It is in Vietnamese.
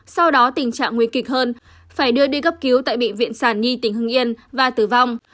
sau đó tình trạng nguy kịch hơn phải đưa đi cấp cứu tại bệnh viện sản nhi tỉnh hưng yên và tử vong